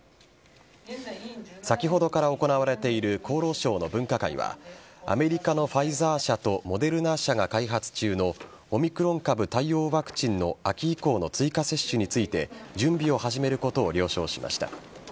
先ほどから行われている厚労省の分科会はアメリカのファイザー社とモデルナ社が開発中のオミクロン株対応ワクチンの秋以降の追加接種について準備を始めることを了承しました。